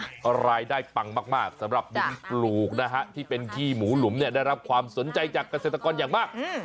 รายได้ปังมากสำหรับบุญปลูกนะฮะที่เป็นขี้หมูหลุมเนี่ยได้รับความสนใจจากเกษตรกรอย่างมาก